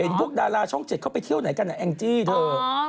เห็นรูปดาราช่อง๗เข้าไปเที่ยวไหนกันอ่ะแองจี้เถอะ